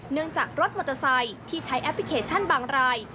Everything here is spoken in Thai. จากรถมอเตอร์ไซค์ที่ใช้แอปพลิเคชันบางราย